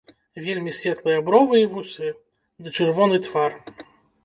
Вельмі светлыя бровы і вусы ды чырвоны твар.